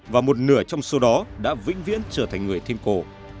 và một nửa trong số đó đã vĩnh viễn trở thành người thêm cổ